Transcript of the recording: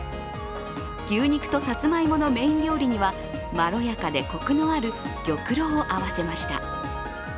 牛肉とさつまいものメイン料理にはまろやかでこくのある玉露を合わせました。